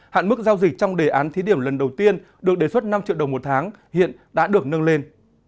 hạn mức giao dịch trong đề án thí điểm lần đầu tiên được đề xuất năm triệu đồng một tháng hiện đã được nâng lên